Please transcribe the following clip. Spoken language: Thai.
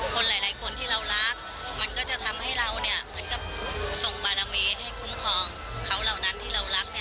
คนหลายคนที่เรารักมันก็จะทำให้เราเนี่ยเหมือนกับส่งบารมีให้คุ้มครองเขาเหล่านั้นที่เรารักเนี่ย